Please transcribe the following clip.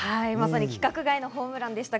規格外のホームランでした。